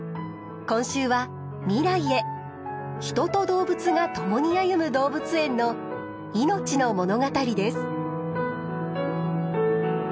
今週は未来へ人と動物がともに歩む動物園の命の物語です。